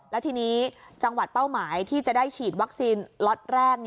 แล้วทีนี้จังหวัดเป้าหมายที่จะได้ฉีดวัคซีนล็อตแรก